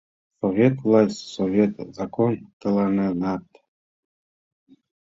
Совет власть, совет закон тыланетат...